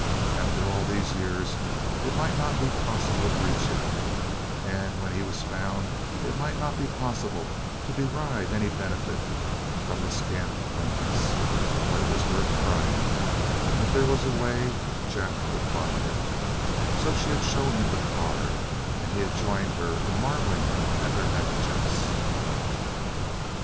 After all these years it might not be possible to reach him, and when he was found it might not be possible to derive any benefit from the scant acquaintance, but it was worth trying, and if there was a way, Jap would find it, so she had shown him the card and he had joined her in marveling at their negligence.